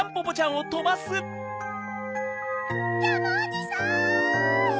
ジャムおじさん！